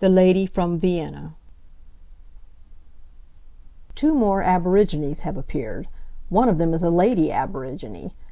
THE LADY FROM VIENNA Two more aborigines have appeared. One of them is a lady aborigine.